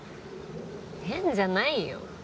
変じゃないよ。